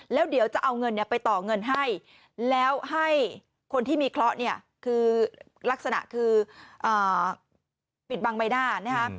แล้วเดี๋ยวจะเอาเงินไปต่อเงินให้แล้วให้คนที่มีเคราะห์เนี่ยคือลักษณะคือปิดบังใบหน้านะคะ